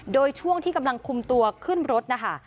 โดยช่วงที่กำลังคุมตัวขึ้นรถนะคะ